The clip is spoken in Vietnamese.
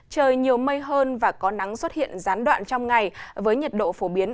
trời nhiều mây hơn và có nắng xuất hiện gián đoạn trong ngày với nhiệt độ phổ biến